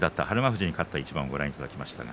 富士に勝った一番をご覧いただきました。